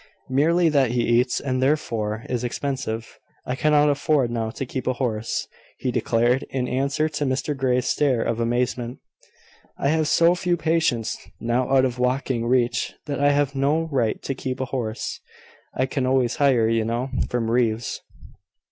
"Merely that he eats, and therefore is expensive. I cannot afford now to keep a horse," he declared, in answer to Mr Grey's stare of amazement. "I have so few patients now out of walking reach, that I have no right to keep a horse. I can always hire, you know, from Reeves."